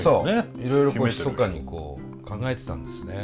いろいろひそかに考えてたんですね。